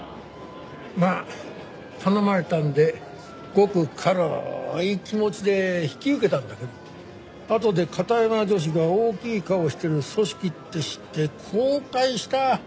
まあ頼まれたんでごく軽い気持ちで引き受けたんだけどあとで片山女史が大きい顔してる組織って知って後悔した！